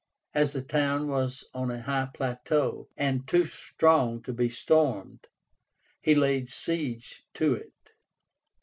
As the town was on a high plateau, and too strong to be stormed, he laid siege to it.